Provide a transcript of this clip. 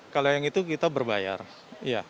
kalau yang itu kita berbayar